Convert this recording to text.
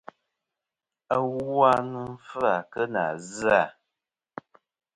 Awu a nɨn fɨ-à kɨ nà zɨ-à.